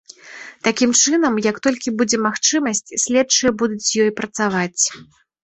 Такім чынам, як толькі будзе магчымасць, следчыя будуць з ёй працаваць.